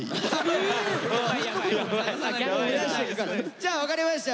じゃあ分かりました。